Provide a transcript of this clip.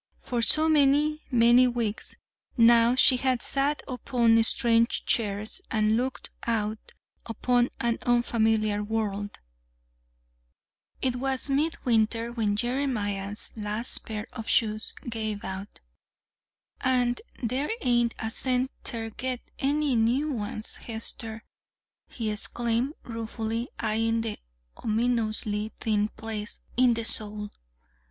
For so many, many weeks now she had sat upon strange chairs and looked out upon an unfamiliar world! It was midwinter when Jeremiah's last pair of shoes gave out. "An' there ain't a cent ter get any new ones, Hester," he exclaimed, ruefully eying the ominously thin place in the sole.